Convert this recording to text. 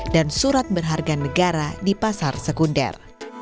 dan surat berharga negara di pasar sekunder